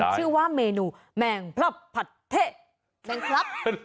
ชื่อว่าเมนูแม่งพลับผัดเทะ